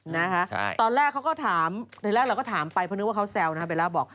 นะคะตอนแรกเขาก็ถามทีแรกเราก็ถามไปเพราะนึกว่าเขาแซวนะเบลล่าบอก